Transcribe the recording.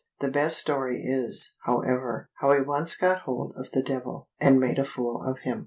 The best story is, however, how he once got hold of the Devil, and made a fool of him.